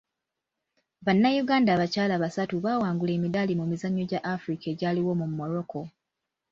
Bannayuganda abakyala basatu baawangula emidaali mu mizannyo gya Afirika egyaliwo mu Morocco